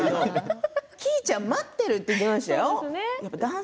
きいちゃん待っているって言いましたよ。